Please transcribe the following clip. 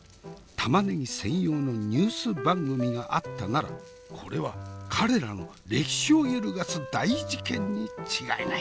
玉ねぎ専用のニュース番組があったならこれは彼らの歴史を揺るがす大事件に違いない。